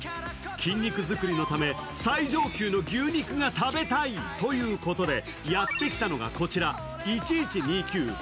筋肉作りのため最上級の牛肉が食べたいということでやってきたのがこちら、１１２９ｂｙＯｇａｗａ。